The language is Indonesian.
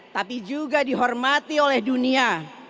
tapi juga dihormati oleh dunia